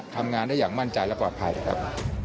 ทำงานได้อย่างมั่นใจและปลอดภัยครับ